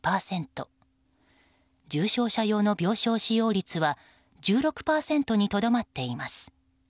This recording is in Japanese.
重症者用の病床使用率は１６％にとどまっています。